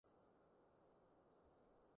空置率逐漸提高是必然的過程